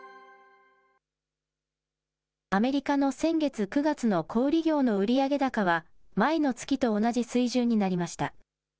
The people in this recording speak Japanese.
アメリカの先月・９月の小売り業の売上高は、前の月と同じ水準になりました。